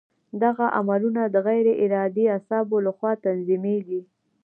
دغه عملونه د غیر ارادي اعصابو له خوا تنظیمېږي.